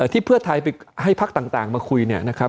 ที่เพื่อไทยให้พักต่างมาคุยเนี่ย